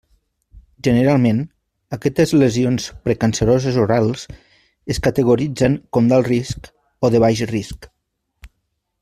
Generalment, aquestes lesions precanceroses orals es categoritzen com d'alt risc o de baix risc.